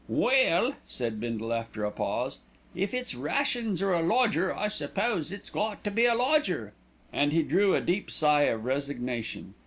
"Well," said Bindle after a pause, "if it's rations or a lodger, I suppose it's got to be a lodger," and he drew a deep sigh of resignation.